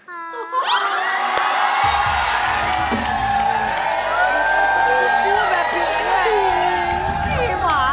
เป็นเรื่องราวของแม่นาคกับพี่ม่าครับ